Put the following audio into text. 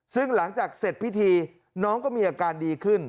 ซึ่งหลังจากเสร็จพิธีน้องก็มีอาการดีขึ้น